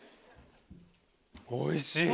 おいしい！